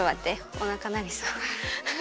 おなかなりそう。